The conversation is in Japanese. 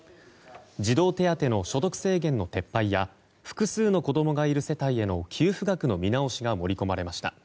児童手当の所得制限の撤廃や複数の子供がいる世帯への給付額の見直しが盛り込まれました。